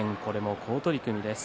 好取組です。